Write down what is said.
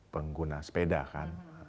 pengguna sepeda kan